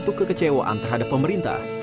untuk kekecewaan terhadap pemerintah